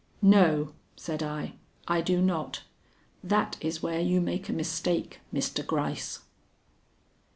"No," said I, "I do not. That is where you make a mistake, Mr. Gryce."